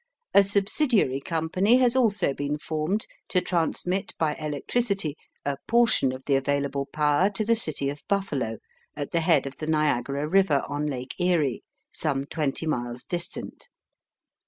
A subsidiary company has also been formed to transmit by electricity a portion of the available power to the city of Buffalo, at the head of the Niagara River, on Lake Erie, some twenty miles distant.